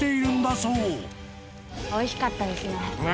おいしかったですね。